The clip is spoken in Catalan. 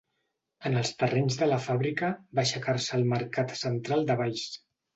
En els terrenys de la fàbrica va aixecar-se el mercat central de Valls.